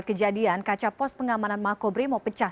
kejadian kaca pos pengamanan mako brimob pecah